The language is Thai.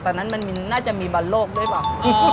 ตอนนั้นน่าจะมีบันโลกด้วยป่ะ